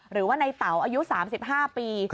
หรือว่าในเต๋าอายุ๓๕ปี